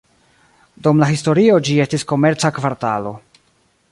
Dum la historio ĝi estis komerca kvartalo.